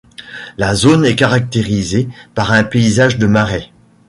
La zone est caractérisée par un paysage de marais.